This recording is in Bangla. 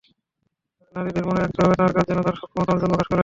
নারীদেরও মনে রাখতে হবে, তাঁর কাজ যেন তাঁর সক্ষমতা, অর্জন প্রকাশ করে।